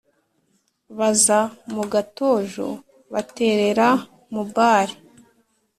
Baza mu Gatojo, baterera Mubali;